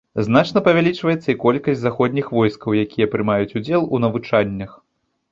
Значна павялічваецца і колькасць заходніх войскаў, якія прымаюць удзел у навучаннях.